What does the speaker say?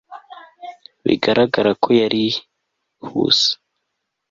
bigaragara ko yarihuse